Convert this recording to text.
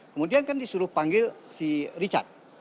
kemudian kan disuruh panggil si richard